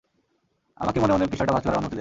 আমাকে মনে মনে পৃষ্ঠাটা ভাঁজ করার অনুমতি দেন।